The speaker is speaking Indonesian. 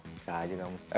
gak aja dong